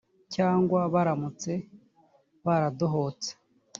cyangwa baramutse baradohotse